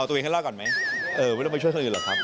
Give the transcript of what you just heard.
ต้องไปช่วยคั่นอื่นหรอครับ